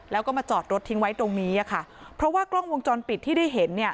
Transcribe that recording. แล้วก็มาจอดรถทิ้งไว้ตรงนี้อะค่ะเพราะว่ากล้องวงจรปิดที่ได้เห็นเนี่ย